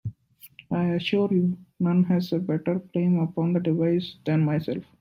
I assure you, none has a better claim upon that device than myself.